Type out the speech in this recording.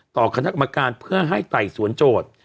ต่อคณะกรรมการเพื่อให้ไต่สวนโจทย์